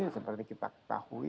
seperti kita ketahui